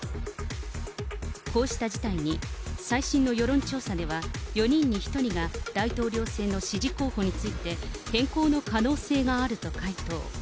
こうした事態に、最新の世論調査では、４人に１人が、大統領選の支持候補について、変更の可能性があると回答。